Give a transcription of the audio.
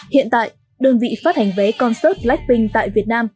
hiện tại đơn vị phát hành vé concert blackpink tại việt nam